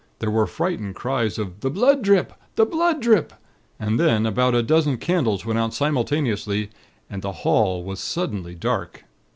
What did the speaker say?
There were frightened cries of: 'The bhlood dhrip! The bhlood dhrip!' And then, about a dozen candles went out simultaneously, and the hall was suddenly dark.